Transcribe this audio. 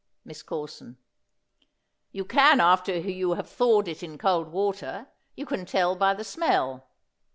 MISS CORSON. You can after you have thawed it in cold water; you can tell by the smell.